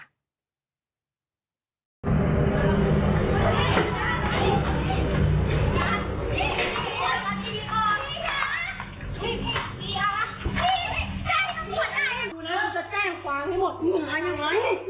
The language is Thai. นี่